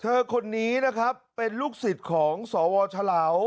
เธอคนนี้นะครับเป็นลูกศึกของศวฉลาว